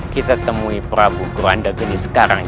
kita temui prabu kuranda geni sekarang